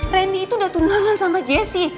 randy itu udah tunangan sama jesse